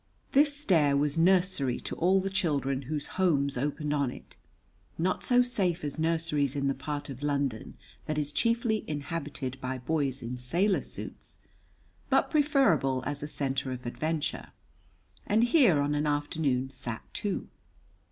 This stair was nursery to all the children whose homes opened on it, not so safe as nurseries in the part of London that is chiefly inhabited by boys in sailor suits, but preferable as a centre of adventure, and here on an afternoon sat two.